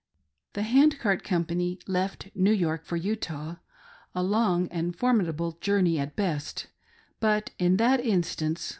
The Hand Cart Company left New York for Utah— a long and formidable journey at best— but in that instance, through 13 202